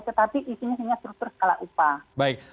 tetapi isinya hanya struktur skala upah